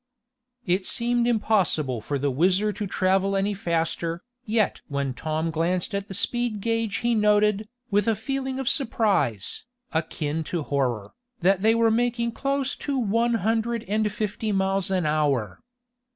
It seemed impossible for the WHIZZER to travel any faster, yet when Tom glanced at the speed gage he noted, with a feeling of surprise, akin to horror, that they were making close to one hundred and fifty miles an hour.